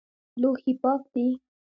لوښي پاک دي؟